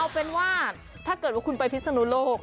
เอาเป็นว่าถ้าเกิดว่าคุณไปพิศนุโลก